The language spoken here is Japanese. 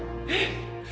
えっ？